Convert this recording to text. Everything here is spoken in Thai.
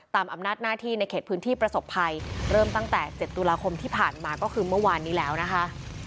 อำนาจหน้าที่ในเขตพื้นที่ประสบภัยเริ่มตั้งแต่๗ตุลาคมที่ผ่านมาก็คือเมื่อวานนี้แล้วนะคะ